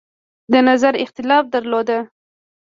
د نظر اختلاف درلود.